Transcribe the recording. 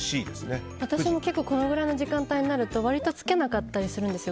私もこのぐらいの時間になると割とつけなかったりするんです。